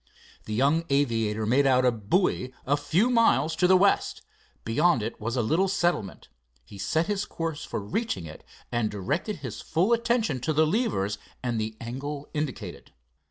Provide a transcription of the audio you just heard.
The young aviator made out a buoy a few miles to the west. Beyond it was a little settlement. He set his course for reaching it, and directed his full attention to the levers and the angle indicated.